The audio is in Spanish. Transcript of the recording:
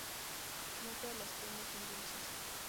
No todas las cremas son dulces.